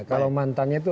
kalau mantannya itu